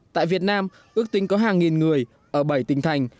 tại việt nam ước tính có hàng nghìn người ở bảy tỉnh thành